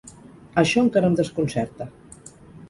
Això encara em desconcerta.